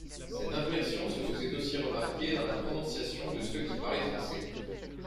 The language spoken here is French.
Cette inflexion se faisait aussi remarquer dans la prononciation de ceux qui parlaient français.